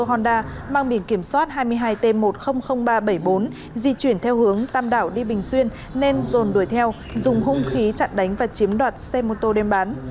honda mang biển kiểm soát hai mươi hai t một trăm linh nghìn ba trăm bảy mươi bốn di chuyển theo hướng tam đảo đi bình xuyên nên dồn đuổi theo dùng hung khí chặn đánh và chiếm đoạt xe mô tô đem bán